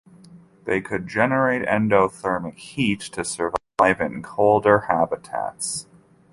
They could generate endothermic heat to survive in colder habitats.